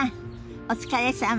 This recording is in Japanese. お疲れさま。